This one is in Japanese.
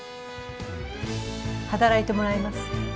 働いてもらいます。